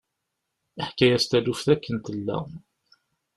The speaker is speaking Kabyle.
Yeḥka-yas taluft akken tella.